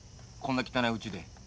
こんな汚いうちで。